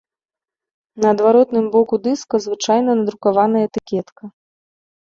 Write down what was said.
На адваротным боку дыска звычайна надрукаваная этыкетка.